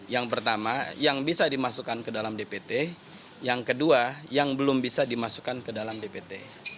yang pertama yang bisa dimasukkan ke dalam dpt yang kedua yang belum bisa dimasukkan ke dalam dpt